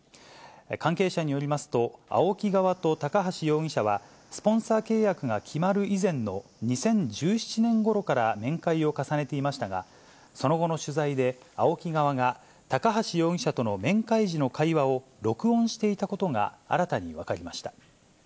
関係者によりますと、ＡＯＫＩ側と高橋容疑者は、スポンサー契約が決まる以前の２０１７年ごろから面会を重ねていましたが、その後の取材で、ＡＯＫＩ側が高橋容疑者との面会時の会話を録音していたことが新たに分かりました。